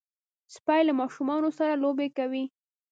سپي له ماشومانو سره لوبې کوي.